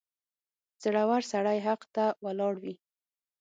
• زړور سړی حق ته ولاړ وي.